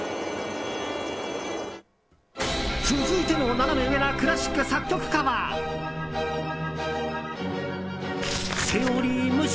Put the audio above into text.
続いてのナナメ上なクラシック作曲家はセオリー無視！